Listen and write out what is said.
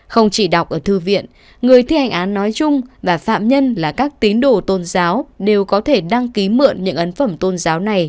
không chỉ đọc ở thư viện người thi hành án nói chung và phạm nhân là các tín đồ tôn giáo đều có thể đăng ký mượn những ấn phẩm tôn giáo này